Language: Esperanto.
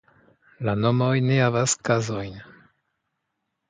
La nomoj ne havas kazojn.